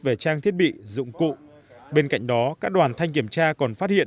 về trang thiết bị dụng cụ bên cạnh đó các đoàn thanh kiểm tra còn phát hiện